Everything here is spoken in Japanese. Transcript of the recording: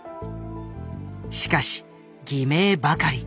しかし偽名ばかり。